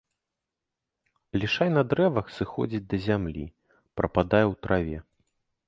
Лішай на дрэвах сыходзіць да зямлі, прападае ў траве.